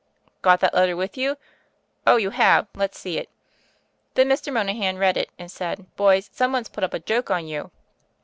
" 'Got that letter with you ?— Oh, you have. Let's see it.' "Then Mr. Monahan read it, and said :" *Boys, some one's put up a joke on you.'